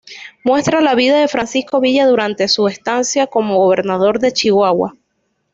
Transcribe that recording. Muestra la vida de Francisco Villa durante su estancia como Gobernador de Chihuahua.